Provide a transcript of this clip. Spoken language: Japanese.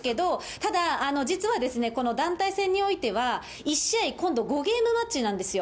ただ、実はですね、この団体戦においては、１試合、今度５ゲームマッチなんですよ。